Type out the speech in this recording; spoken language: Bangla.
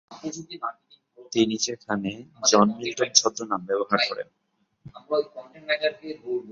তিনি সেখানে জন হ্যামিল্টন ছদ্মনাম ব্যবহার করেন।